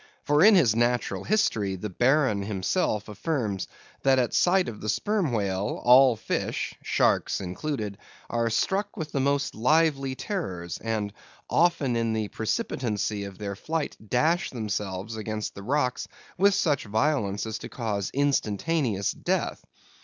For in his Natural History, the Baron himself affirms that at sight of the Sperm Whale, all fish (sharks included) are "struck with the most lively terrors," and "often in the precipitancy of their flight dash themselves against the rocks with such violence as to cause instantaneous death."